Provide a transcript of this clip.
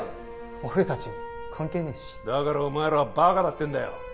俺達に関係ねえしだからお前らはバカだってんだよ